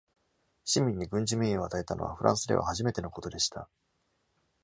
市民に軍事名誉を与えたのはフランスでは初めての事でした。